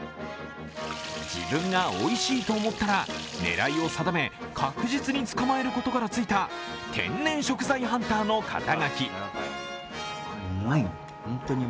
自分がおいしいと思ったら狙いを定め、確実に捕まえることからついた天然食材ハンターの肩書。